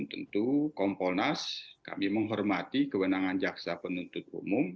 tentu kompolnas kami menghormati kewenangan jaksa penuntut umum